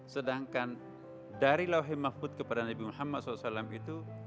sedangkan dari lahim mahfud kepada nabi muhammad saw itu